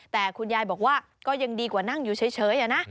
แต่คุณยายบอกว่าก็ยังดีกว่านั่งอยู่เฉยนะ